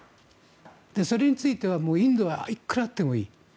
それについてはインドは、いくらあってもいい。